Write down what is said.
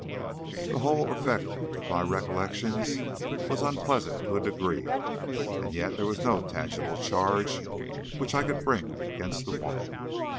The whole effect of my recollections was unpleasant to a degree, and yet there was no tangible charge which I could bring against the woman.